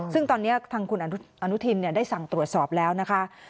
ซึ่งตอนนี้ทางคุณอนุทินได้สั่งตรวจสอบแล้วนะคะ